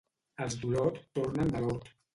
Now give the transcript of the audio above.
Els d'Olot tornen de l'hort